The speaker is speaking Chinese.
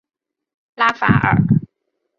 拉法尔。